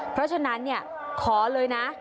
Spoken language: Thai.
เพราะฉะนั้นขอเลยนะ